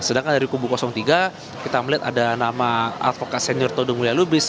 sedangkan dari kubu tiga kita melihat ada nama advokat senior todung mulya lubis